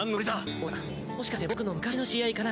おやもしかして僕の昔の知り合いかな？